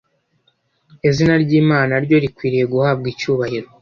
Izina ry’Imana naryo rikwiriye guhabwa icyubahiro.